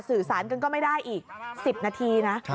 สื่อสารกันก็ไม่ได้อีก๑๐นาทีนะ